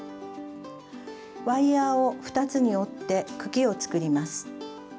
ワイヤーを２つに折って茎を作ります。